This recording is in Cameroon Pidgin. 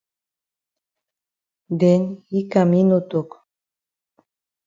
Den yi kam yi no tok.